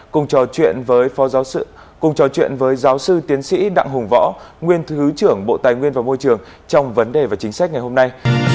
cùng trò chuyện với giáo sư tiến sĩ đặng hùng võ nguyên thứ trưởng bộ tài nguyên và môi trường trong vấn đề và chính sách ngày hôm nay